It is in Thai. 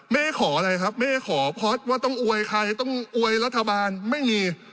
ไม่ขออะไรครับแม่ขอเพราะต้องอวยใครต้องอวยรัฐบาลไม่มี